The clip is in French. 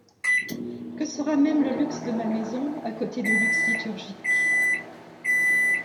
Que sera même le luxe de ma maison, à côté du luxe liturgique?